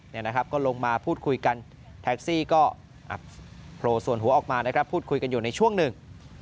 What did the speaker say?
นี่นะครับก็ลงมาพูดคุยกันแท็กซี่ก็โผล่ส่วนหัวออกมานะครับพูดคุยกันอยู่ในช่วงหนึ่ง